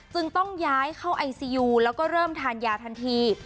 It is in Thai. ต้องย้ายเข้าไอซียูแล้วก็เริ่มทานยาทันที